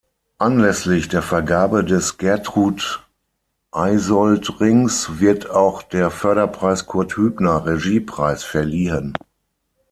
Anlässlich der Vergabe des Gertrud-Eysoldt-Rings wird auch der Förderpreis Kurt-Hübner-Regiepreis verliehen.